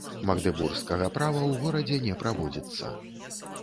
Магдэбургскага права ў горадзе не праводзіцца.